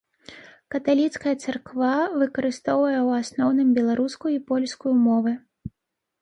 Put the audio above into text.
Каталіцкая царква выкарыстае ў асноўным беларускую і польскую мовы.